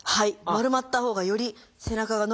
丸まったほうがより背中が伸びております。